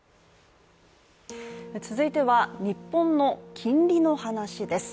続いては日本の金利の話です。